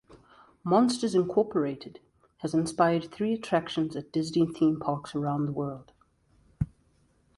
"Monsters, Incorporated" has inspired three attractions at Disney theme parks around the world.